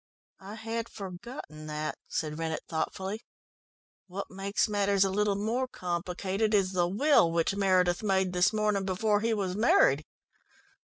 "I had forgotten that," said Rennett thoughtfully. "What makes matters a little more complicated, is the will which Meredith made this morning before he was married."